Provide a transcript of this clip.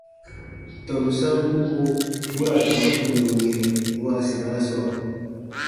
Tɔnu sankubu bu ra tɔnu funɛ wĩɛ wãasinaa sɔɔ.